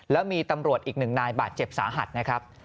แล้วมีตำรวจอีกหนึ่งนายบาดเจ็บสาหัสนะครับ